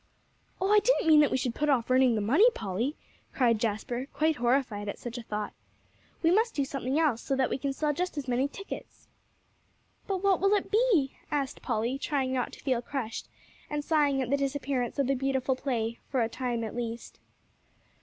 "Oh, I didn't mean that we should put off earning the money, Polly," cried Jasper, quite horrified at such a thought. "We must do something else, so that we can sell just as many tickets." "But what will it be?" asked Polly, trying not to feel crushed, and sighing at the disappearance of the beautiful play, for a time at least.